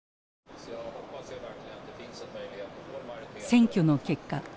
選挙の結果